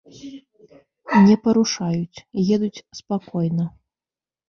Не парушаюць, едуць спакойна.